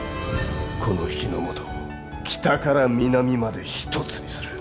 この日ノ本を北から南まで一つにする。